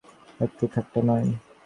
একটুও ঠাট্টা নয়।